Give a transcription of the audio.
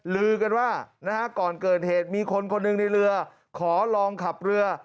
ลือกันว่าก่อนเกิดเหตุมีคนคนหนึ่งในเรือขอลองขับเรือ